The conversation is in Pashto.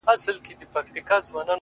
ښايستو کي خيالوري پيدا کيږي ـ